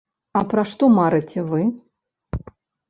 А пра што марыце вы?